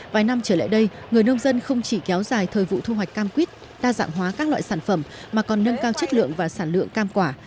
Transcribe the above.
vài năm trở lại đây người nông dân không chỉ kéo dài thời vụ thu hoạch cam quýt đa dạng hóa các loại sản phẩm mà còn nâng cao chất lượng và sản lượng cam quả